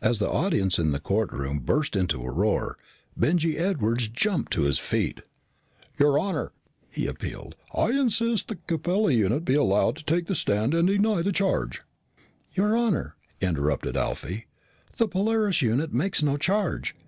As the audience in the courtroom burst into a roar, Benjy Edwards jumped to his feet. "Your honor," he appealed, "I insist that the Capella unit be allowed to take the stand and deny the charge " "Your honor," interrupted Alfie, "the Polaris unit makes no charge.